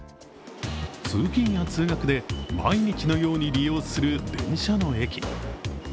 通勤や通学で毎日のように利用する電車の駅。